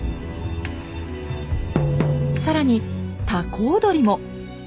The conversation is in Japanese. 更にタコ踊りも！